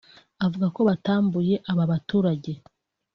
avuga ko batambuye aba baturage